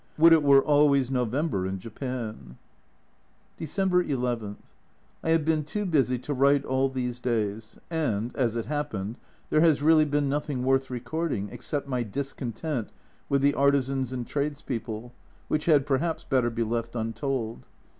Would it were always November in Japan ! December II. I have been too busy to write all these days, and as it happened, there has really been nothing worth recording except my discontent with the artisans and trades people, which had perhaps better be left untold.